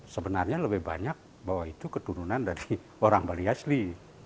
sebenarnya lebih banyak bahwa itu keturunan dari orang bali asli